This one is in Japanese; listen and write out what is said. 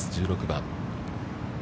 １６番。